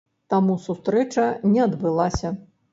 Таму сустрэча не адбылася.